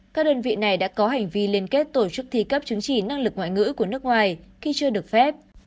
các đơn vị này đã có hành vi liên kết tổ chức thi cấp chứng chỉ năng lực ngoại ngữ của nước ngoài khi chưa được phép